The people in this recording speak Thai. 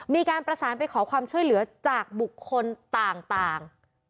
มีการประสานไปขอความช่วยเหลือจากบุคคลต่าง